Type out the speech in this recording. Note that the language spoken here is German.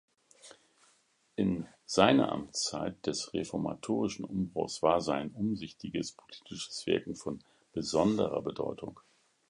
In seine Amtszeit des reformatorischen Umbruchs war sein umsichtiges politisches Wirken von besonderer Bedeutung.